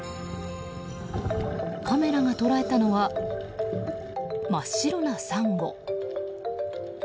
カメラが捉えたのは真っ白なサンゴ。